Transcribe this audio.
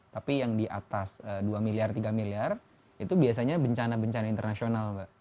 tapi yang di atas dua miliar tiga miliar itu biasanya bencana bencana internasional mbak